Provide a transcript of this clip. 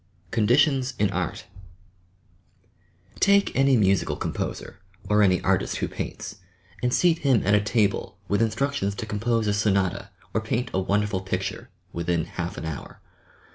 "conditions" in art Take any musical composer or any artist who paints, and seat him at a table with instructions to compose a sonata or paint a wonderful picture, within half an hour!